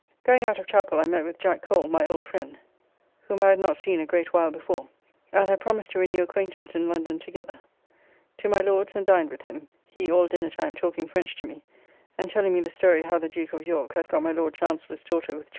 Going out of chapel I met with Jack Cole, my old friend (whom I had not seen a great while before), and have promised to renew acquaintance in London together. To my Lord's and dined with him; he all dinner time talking French to me, and telling me the story how the Duke of York hath got my Lord Chancellor's daughter with child, [Anne Hyde, born March 12th, 1637, daughter of Edward, first Earl of Clarendon.